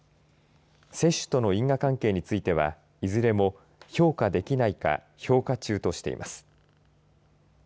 接種との因果関係についてはいずれも評価できないか評価中としています。